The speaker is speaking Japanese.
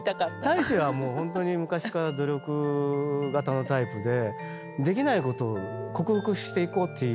太一はホントに昔から努力型のタイプでできないことを克服していこうっていうその。